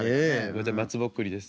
こちら松ぼっくりです。